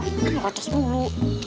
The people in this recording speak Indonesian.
kenapa atas mulu